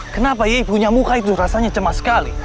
kenapa ibu punya muka itu rasanya cemas sekali